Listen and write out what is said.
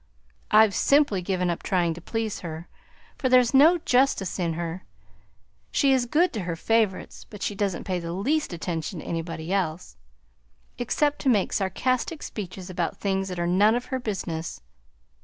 "I've simply given up trying to please her, for there's no justice in her; she is good to her favorites, but she doesn't pay the least attention to anybody else, except to make sarcastic speeches about things that are none of her business.